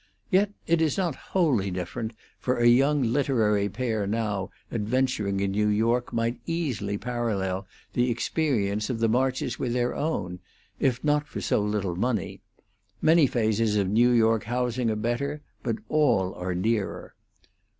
Yet it is not wholly different, for a young literary pair now adventuring in New York might easily parallel the experience of the Marches with their own, if not for so little money; many phases of New York housing are better, but all are dearer.